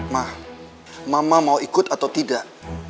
mah mama mau ikut atau tidak